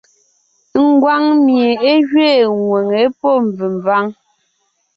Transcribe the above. Ngwáŋ mie é gẅiin ŋwʉ̀ŋe (P), pɔ́ mvèmváŋ (K).